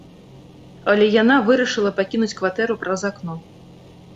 Але яна вырашыла пакінуць кватэру праз акно.